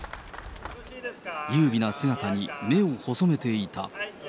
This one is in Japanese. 優美な姿に目を細めていた。